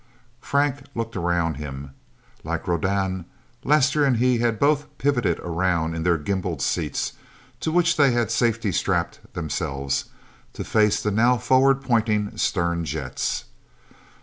_ Frank looked around him. Like Rodan, Lester and he had both pivoted around in their gimbaled seats to which they had safety strapped themselves to face the now forward pointing stern jets.